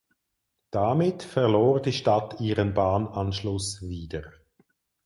Damit verlor die Stadt ihren Bahnanschluss wieder.